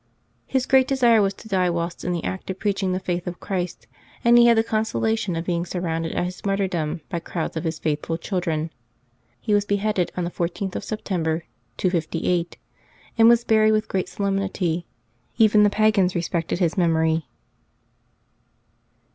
His great desire was to die whilst in the act of preaching the faith of Christ, and he had the consolation of being surrounded at his martyrdom by crowds of his faithful children. He was beheaded on the 14th of September, 258, and was buried with great solem nity. Even the pagans respected his memory.